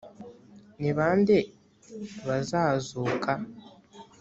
ni ba nde bazazuka?